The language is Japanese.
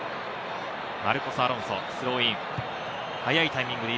マルコス・アロンソ、スローイン。